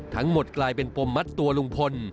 ทั้งหมดกลายเป็นปมมัดตัวลุงพล